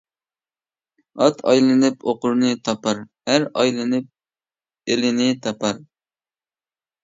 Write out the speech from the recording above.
ئات ئايلىنىپ ئوقۇرىنى تاپار، ئەر ئايلىنىپ ئېلىنى تاپار.